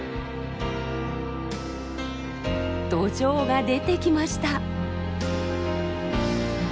ドジョウが出てきました。